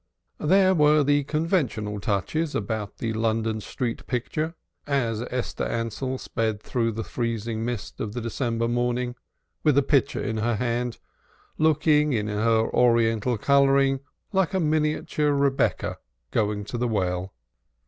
There were the conventional touches about the London street picture, as Esther Ansell sped through the freezing mist of the December evening, with a pitcher in her hand, looking in her oriental coloring like a miniature of Rebecca going to the well.